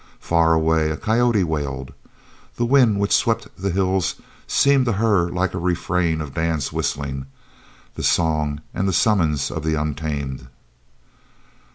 Far away a coyote wailed. The wind which swept the hills seemed to her like a refrain of Dan's whistling the song and the summons of the untamed.